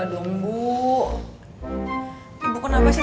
kemarin imam mau kesini ibu lagi berantem sama bapak